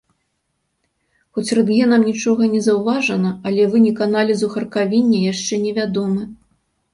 Хоць рэнтгенам нічога не заўважана, але вынік аналізу харкавіння яшчэ невядомы.